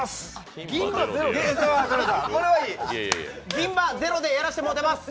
銀歯ゼロでやらせてもうてます。